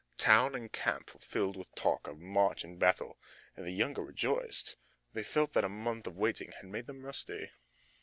Town and camp were filled with talk of march and battle, and the younger rejoiced. They felt that a month of waiting had made them rusty.